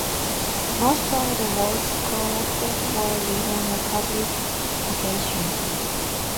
Most of the works collected were read on a public occasion.